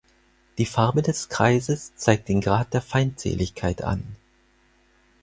Die Farbe des Kreises zeigt den Grad der Feindseligkeit an.